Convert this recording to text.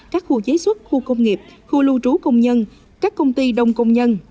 các khu chế xuất khu công nghiệp khu lưu trú công nhân các công ty đông công nhân